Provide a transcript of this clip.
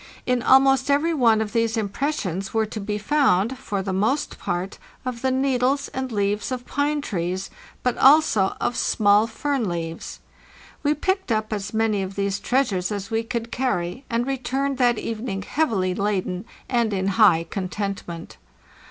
In almost every one of these impressions were to be found, for the most part, of the needles and leaves of pine trees, but also of small fern leaves. We picked up as many of these treas ures as we could carry, and returned that evening heavily laden and in high contentment.